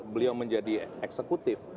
beliau menjadi eksekutif